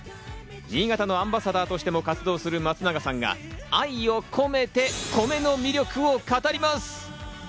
新潟のアンバサダーとしても活動する松永さんが愛をこめて米の魅力を語ります。